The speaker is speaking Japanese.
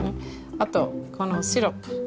あとこのシロップ。